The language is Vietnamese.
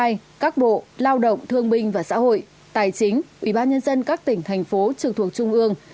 c các bộ lao động thương minh và xã hội tài chính ủy ban nhân dân các tỉnh thành phố trường thuộc trung ương